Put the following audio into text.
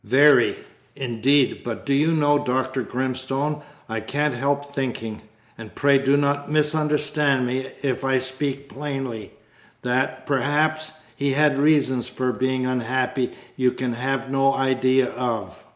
"Very, indeed; but do you know, Dr. Grimstone, I can't help thinking and pray do not misunderstand me if I speak plainly that, perhaps, he had reasons for being unhappy you can have no idea of?"